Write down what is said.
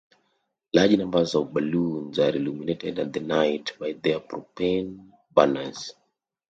Large numbers of balloons are illuminated at night by their propane burners.